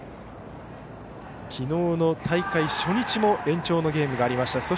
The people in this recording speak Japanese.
昨日の大会初日も延長のゲームがありました。